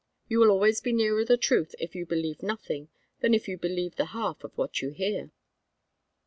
You will always be nearer the truth if you believe nothing, than if you believe the half of what you hear."